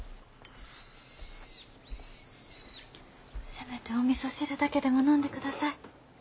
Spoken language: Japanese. せめておみそ汁だけでも飲んでください。